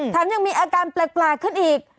ยังมีอาการแปลกขึ้นอีก